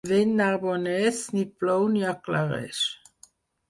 Vent narbonés, ni plou ni aclareix.